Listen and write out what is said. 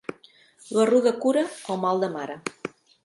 La ruda cura el mal de mare.